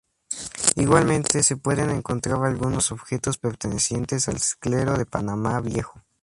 Igualmente se pueden encontrar algunos objetos pertenecientes al clero de Panamá viejo.